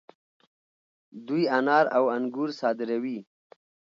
دوی انار او انګور صادروي.